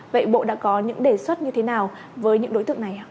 vậy bộ đã có những đề xuất như thế nào với những đối tượng này ạ